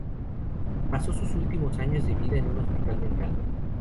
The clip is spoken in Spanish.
Pasó sus últimos años de vida en un hospital mental.